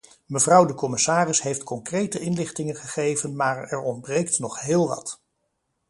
Mevrouw de commissaris heeft concrete inlichtingen gegeven maar er ontbreekt nog heel wat.